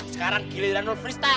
sekarang giliran lu freestyle